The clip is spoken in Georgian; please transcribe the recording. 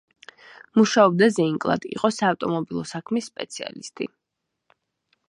მუშაობდა ზეინკლად; იყო საავტომობილო საქმის სპეციალისტი.